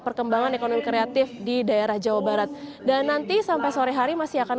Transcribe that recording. perkembangan ekonomi kreatif di daerah jawa barat dan nanti sampai sore hari masih akan